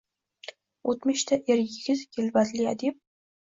Oltmishda er yigit kelbatli adib